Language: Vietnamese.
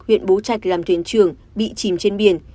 huyện bố trạch làm thuyền trưởng bị chìm trên biển